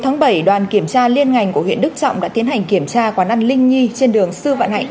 ngày bảy đoàn kiểm tra liên ngành của huyện đức trọng đã tiến hành kiểm tra quán ăn linh nhi trên đường sư vạn hạnh